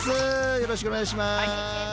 よろしくお願いします。